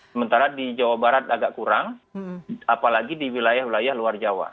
sementara di jawa barat agak kurang apalagi di wilayah wilayah luar jawa